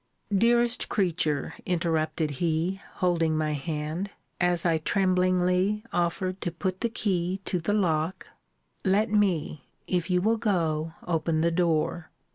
Dearest creature! interrupted he, holding my hand, as I tremblingly offered to put the key to the lock let me, if you will go, open the door.